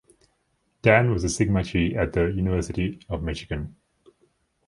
Dann was a Sigma Chi at the University of Michigan.